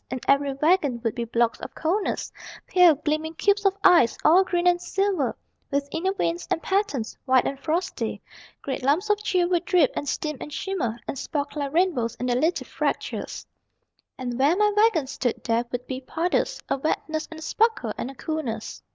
In every wagon would be blocks of coldness, Pale, gleaming cubes of ice, all green and silver, With inner veins and patterns, white and frosty; Great lumps of chill would drip and steam and shimmer, And spark like rainbows in their little fractures. And where my wagons stood there would be puddles, A wetness and a sparkle and a coolness.